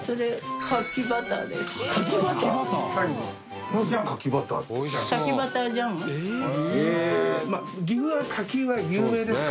柿バター？なんですか？